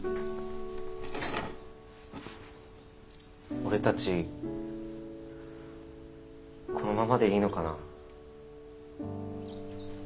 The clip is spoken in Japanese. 俺たちこのままでいいのかな？